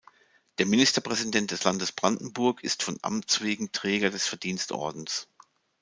Der Ministerpräsident des Landes Brandenburg ist von Amts wegen Träger des Verdienstordens.